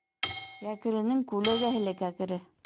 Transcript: Кәкренең күләгәһе лә кәкре.